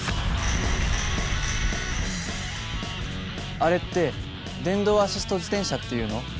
あれって電動アシスト自転車っていうの？